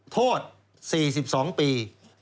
โทษ๔๒ปี